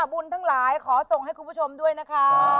บุญทั้งหลายขอส่งให้คุณผู้ชมด้วยนะคะ